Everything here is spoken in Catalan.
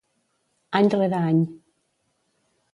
Any rere any.